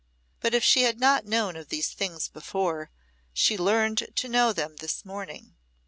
But if she had not known of these things before, she learned to know them this morning.